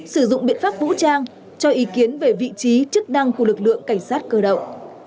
sử dụng biện pháp vũ trang cho ý kiến về vị trí chức năng của lực lượng cảnh sát cơ động